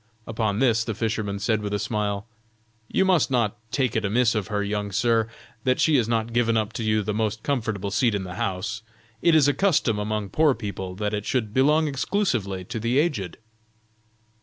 Upon this the fisherman said with a smile: "You must not take it amiss of her, young sir, that she has not given up to you the most comfortable seat in the house; it is a custom among poor people, that it should belong exclusively to the aged."